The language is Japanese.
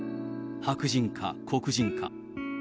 白人か黒人か。